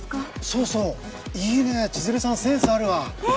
そうそういいね千鶴さんセンスあるわえうれしい！